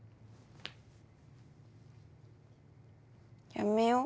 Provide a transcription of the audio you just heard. やめよう。